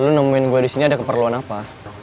lu nemuin gue disini ada keperluan apa